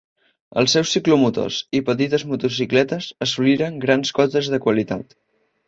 Els seus ciclomotors i petites motocicletes assoliren grans cotes de qualitat.